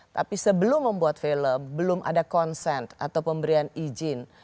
tapi sebelum membuat film belum ada konsent atau pemberian izin